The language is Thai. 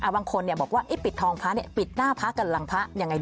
บางคนชอบไปปิดด้านหลัง